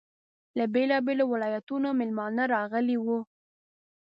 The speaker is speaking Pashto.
له بېلابېلو ولایتونو میلمانه راغلي وو.